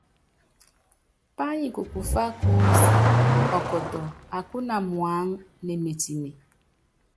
Pányi kukufá kúúsí, ɔkɔtɔ akúna muáŋá, nemetime.